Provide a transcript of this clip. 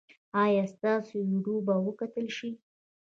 ایا ستاسو ویډیو به وکتل شي؟